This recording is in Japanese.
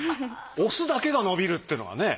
オスだけが伸びるっていうのがね。